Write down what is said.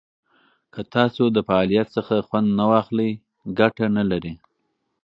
که تاسو د فعالیت څخه خوند نه واخلئ، ګټه نه لري.